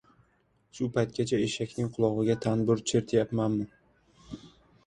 Shu paytgacha eshakning qulog‘iga tanbur chertyapmanmi?